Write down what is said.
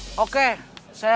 balas dendam kakak sama yayat